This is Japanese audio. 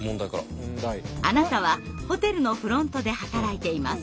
あなたはホテルのフロントで働いています。